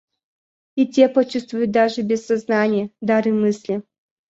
И те почувствуют, даже без сознания, дары мысли.